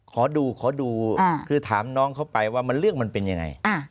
ขอดูขอดูคือถามน้องเขาไปว่าเรื่องมันเป็นยังไง